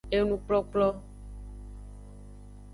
Enukplokplo.